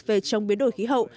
về chống biến đổi khí hậu